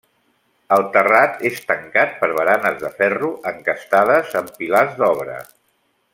El terrat és tancat per baranes de ferro encastades en pilars d'obra.